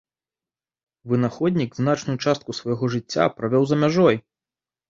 Вынаходнік значную частку свайго жыцця правёў за мяжой.